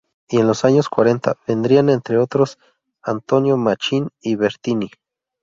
Y en los años cuarenta vendrían entre otros Antonio Machín y Bertini.